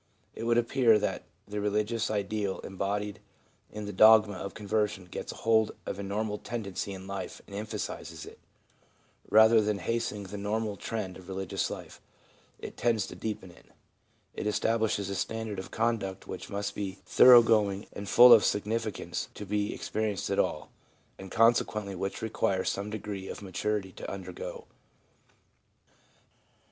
It would appear that the religious ideal embodied in the dogma of conversion gets hold of a normal tendency in life and emphasises it ; rather than hastening the normal trend of religious life, it tends to deepen it; it establishes a standard of conduct which must be thorough going and fiUl of significance to be ADOLESCENCE— SPONTANEOUS AWAKENINGS 205 experienced at all, and consequently which requires some degree of maturity to undergo.